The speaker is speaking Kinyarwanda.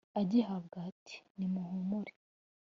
Agihabwa ati : nimuhumure.